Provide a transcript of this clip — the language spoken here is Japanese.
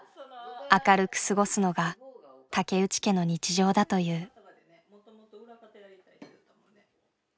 明るく過ごすのが竹内家の日常だという。